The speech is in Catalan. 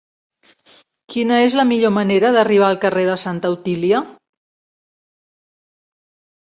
Quina és la millor manera d'arribar al carrer de Santa Otília?